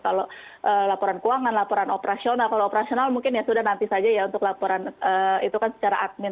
kalau laporan keuangan laporan operasional kalau operasional mungkin ya sudah nanti saja ya untuk laporan itu kan secara admin